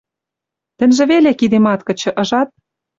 Тӹньжӹ веле кидем ат кычы, ыжат.